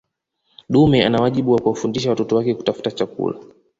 dume ana wajibu wa kuwafundisha watoto wake kutafuta chakula